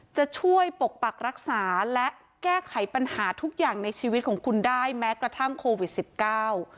จะช่วยปกปักรักษาและแก้ไขปัญหาทุกอย่างในชีวิตของคุณได้แม้กระทั่งโควิดสิบเก้า